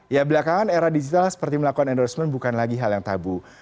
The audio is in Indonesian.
ya belakangan era digital seperti melakukan endorsement bukan lagi hal yang tabu